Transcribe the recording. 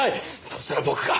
そしたら僕が！